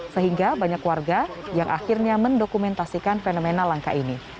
sehingga banyak warga yang akhirnya mendokumentasikan fenomena langka ini